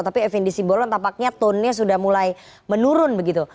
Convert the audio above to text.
tapi fnd sibolon tampaknya tonenya sudah mulai menurun begitu